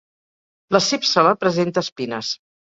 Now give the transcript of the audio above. La cípsela presenta espines.